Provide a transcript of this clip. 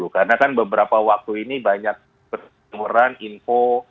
karena kan beberapa waktu ini banyak penyelenggaraan info